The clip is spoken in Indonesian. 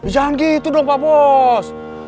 jangan gitu dong pak bos